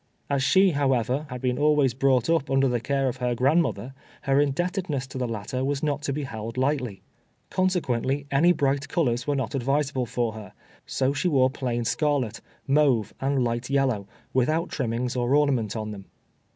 As she, however, had been always brought up under the care of her grandmother, her indebtedness to the latter was not to be held lightly; consequently any bright colors were not advisable for her, so she wore plain scarlet, mauve, and light yellow, without trimmings or ornament on them.